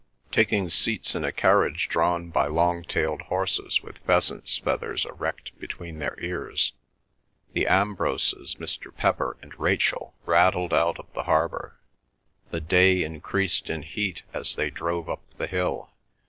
Taking seats in a carriage drawn by long tailed horses with pheasants' feathers erect between their ears, the Ambroses, Mr. Pepper, and Rachel rattled out of the harbour. The day increased in heat as they drove up the hill.